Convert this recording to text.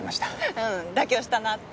うん妥協したなって。